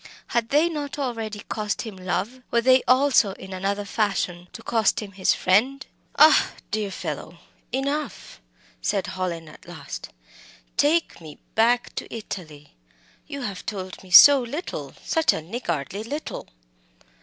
Had they not already cost him love? Were they also, in another fashion, to cost him his friend? "Ah, dear old fellow enough!" said Hallin at last "take me back to Italy! You have told me so little such a niggardly little!"